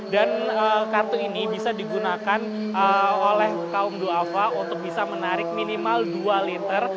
dan kartu ini bisa digunakan oleh kaum doava untuk bisa menarik minimal dua liter